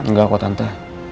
enggak kok tante